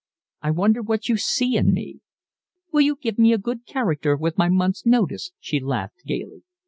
I wonder what you see in me." "Will you give me a good character with my month's notice?" she laughed gaily.